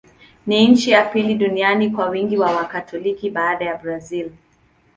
Ni nchi ya pili duniani kwa wingi wa Wakatoliki, baada ya Brazil.